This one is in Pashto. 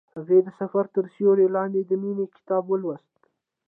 هغې د سفر تر سیوري لاندې د مینې کتاب ولوست.